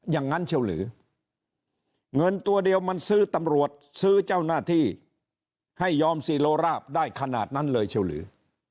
อย่างนั้นเชียวหรือเงินตัวเดียวมันซื้อตำรวจซื้อเจ้าหน้าที่ให้ยอมซีโลราบได้ขนาดนั้นเลยเชียวหรือ